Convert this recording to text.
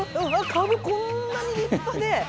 かぶこんなに立派で。